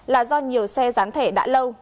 là do nhiều xe rán thẻ đã lâu